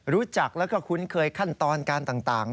รู้จักแล้วก็คุ้นเคยขั้นตอนการต่าง